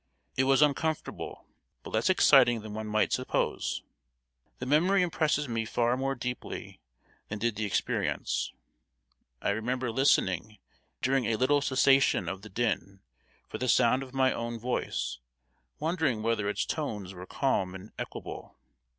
It was uncomfortable, but less exciting than one might suppose. The memory impresses me far more deeply than did the experience. I remember listening, during a little cessation of the din, for the sound of my own voice, wondering whether its tones were calm and equable.